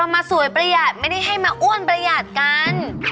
มาสวยประหยัดไม่ได้ให้มาอ้วนประหยัดกัน